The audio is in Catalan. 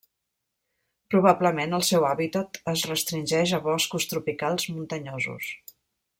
Probablement el seu hàbitat es restringeix a boscos tropicals muntanyosos.